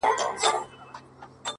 پوهېږم چي زموږه محبت له مينې ژاړي!!